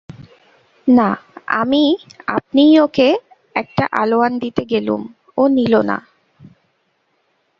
না, আমি আপনিই ওকে একটা আলোয়ান দিতে গেলুম, ও নিল না।